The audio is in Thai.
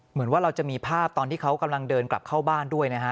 เหมือนว่าเราจะมีภาพตอนที่เขากำลังเดินกลับเข้าบ้านด้วยนะฮะ